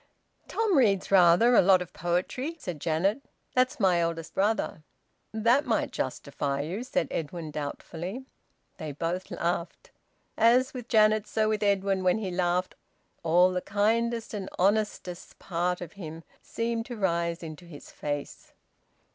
"Tom reads rather a lot of poetry," said Janet. "That's my eldest brother." "That might justify you," said Edwin doubtfully. They both laughed. And as with Janet, so with Edwin, when he laughed, all the kindest and honestest part of him seemed to rise into his face.